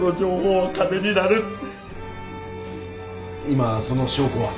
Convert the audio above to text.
今その証拠は？